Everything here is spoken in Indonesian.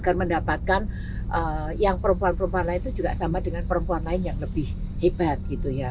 agar mendapatkan yang perempuan perempuan lain itu juga sama dengan perempuan lain yang lebih hebat gitu ya